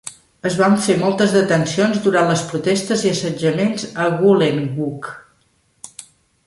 Es van fer moltes detencions durant les protestes i assetjaments a Goolengook.